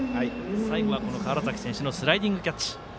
最後は、川原崎選手のスライディングキャッチ。